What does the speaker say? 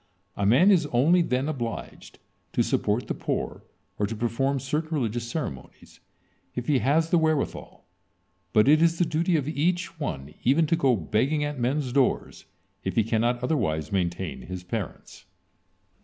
A man is only then obliged to support the poor or to perform certain religious ceremonies, if he has the wherewithal, but it is the duty of each one even to go begging at men' doors, if he cannot otherwise maintain his parents.